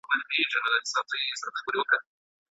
رسول الله ص زموږ رهبر دی.